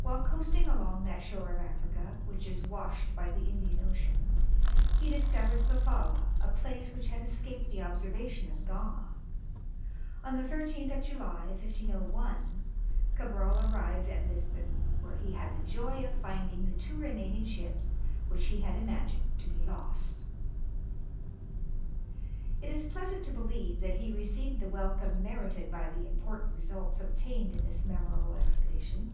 While coasting along that shore of Africa, which is washed by the Indian Ocean, he discovered Sofala, a place which had escaped the observation of Gama. On the 13th of July, 1501, Cabral arrived at Lisbon, where he had the joy of finding the two remaining ships which he had imagined to be lost. It is pleasant to believe that he received the welcome merited by the important results obtained in this memorable expedition.